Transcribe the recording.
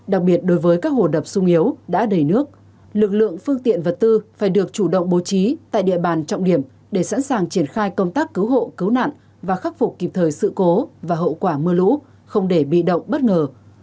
đặc biệt đối với các hồ đập sung yếu đã đầy nước lực lượng phương tiện vật tư phải được chủ động bố trí tại địa bàn trọng điểm để sẵn sàng triển khai công tác cứu hộ cứu nạn và khắc phục kịp thời sự cố và hậu quả mưa lũ không để bị động bất ngờ